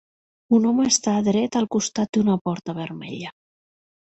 Un home està dret al costat d'una porta vermella.